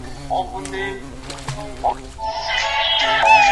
福米盖鲁是巴西南大河州的一个市镇。